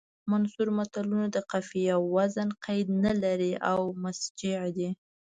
منثور متلونه د قافیې او وزن قید نه لري او مسجع دي